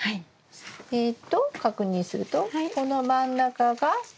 えっと確認するとこの真ん中が親づる。